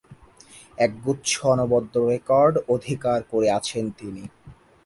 একগুচ্ছ অনবদ্য রেকর্ড অধিকার করে আছেন তিনি।